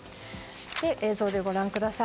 映像でご覧ください。